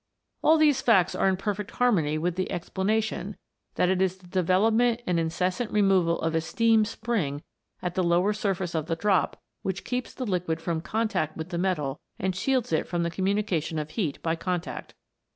" All these facts are in perfect harmony with the explanation, that it is the development and inces sant removal of a steam spring at the lower surface of the drop which keeps the liquid from contact with the metal and shields it from the communica tion of heat by contact.